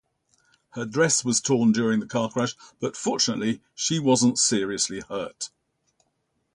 Her dress was torn during the car crash but, fortunately, she wasn't seriously hurt.